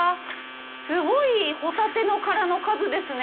すごいホタテの殻の数ですね！